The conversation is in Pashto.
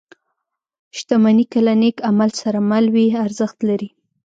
• شتمني که له نېک عمل سره مل وي، ارزښت لري.